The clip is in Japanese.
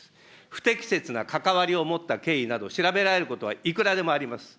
不適切な関わりを持った経緯など調べられることはいくらでもあります。